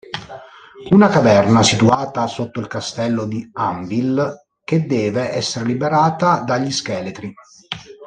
Una caverna situata sotto il castello di Anvil che deve essere liberata dagli scheletri.